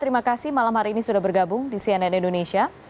terima kasih malam hari ini sudah bergabung di cnn indonesia